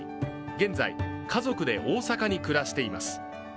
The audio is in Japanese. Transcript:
現在、家族で大阪に暮らしています。